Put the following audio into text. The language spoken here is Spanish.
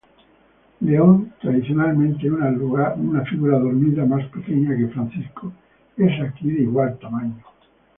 León, tradicionalmente una figura dormida más pequeña que Francisco, es aquí de igual tamaño.